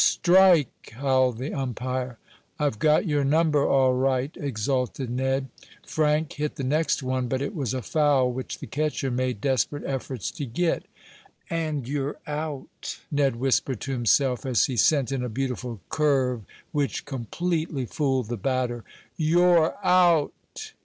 "Strike!" howled the umpire. "I've got your number all right," exulted Ned. Frank hit the next one, but it was a foul which the catcher made desperate efforts to get. "And you're out!" Ned whispered to himself, as he sent in a beautiful curve, which completely fooled the batter. "You're out!"